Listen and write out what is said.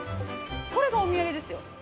これがお土産ですよ。